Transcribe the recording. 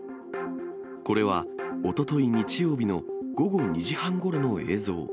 これはおととい日曜日の午後２時半ごろの映像。